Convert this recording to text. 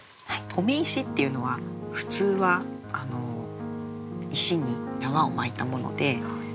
留め石っていうのは普通は石に縄を巻いたもので透明じゃない。